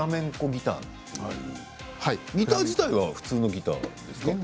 ギター自体は普通のギターですか。